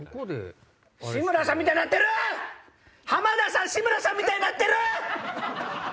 浜田さん志村さんみたいになってる！